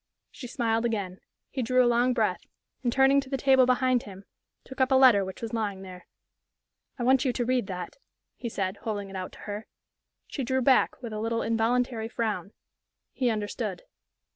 She smiled again. He drew a long breath, and turning to the table behind him, took up a letter which was lying there. "I want you to read that," he said, holding it out to her. She drew back, with a little, involuntary frown. He understood.